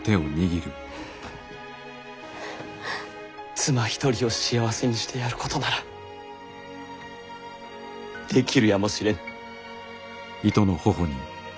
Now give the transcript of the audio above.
妻一人を幸せにしてやることならできるやもしれぬ。